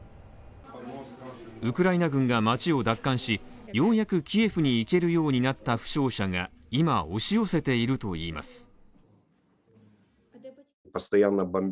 ウクライナ軍が街を奪還し、ようやくキエフに行けるようになった負傷者が今、押し寄せているといいます。